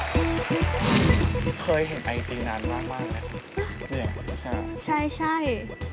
เคยเห็นไอจีนานมากเนี่ยใช่